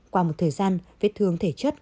qua một thời gian vết thương thể chất